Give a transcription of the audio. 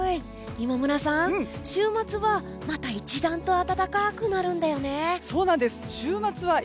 今村さん週末はまた一段と暖かくなるんだよね。